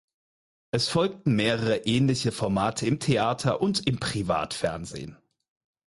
Es folgten mehrere ähnliche Formate im Theater und im Privatfernsehen.